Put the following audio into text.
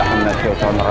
tunggu pak ustadz